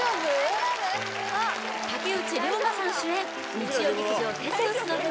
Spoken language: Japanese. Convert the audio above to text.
竹内涼真さん主演日曜劇場「テセウスの船」